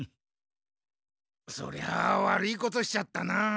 そりゃあ悪いことしちゃったな。